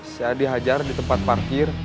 saya dihajar di tempat parkir